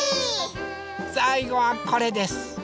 さいごはこれです。